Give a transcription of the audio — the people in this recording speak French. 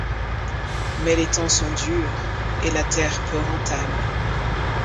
Mais les temps sont durs et le terre peu rentable.